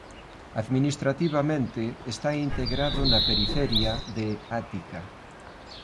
Administrativamente está integrado na Periferia de Ática.